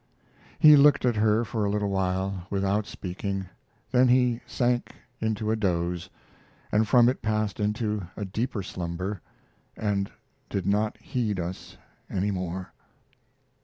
He looked at her for a little while, without speaking, then he sank into a doze, and from it passed into a deeper slumber, and did not heed us any more.